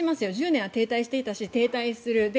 １０年は停滞していたし停滞する。